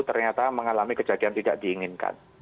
ternyata mengalami kejadian tidak diinginkan